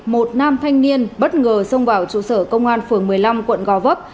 một nam thanh niên bất ngờ xông vào trụ sở công an phường một mươi năm quận gò vấp